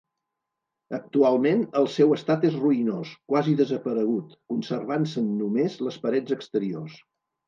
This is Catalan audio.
Actualment el seu estat és ruïnós, quasi desaparegut, conservant-se'n només les parets exteriors.